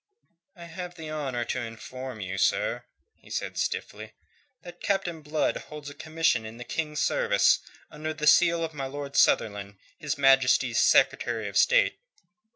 "I have the honour to inform you, sir," he said stiffly, "that Captain Blood holds a commission in the King's service under the seal of my Lord Sunderland, His Majesty's Secretary of State."